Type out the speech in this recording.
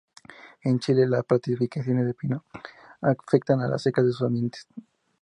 En Chile, las plantaciones de pino afectan a la seca de sus ambientes.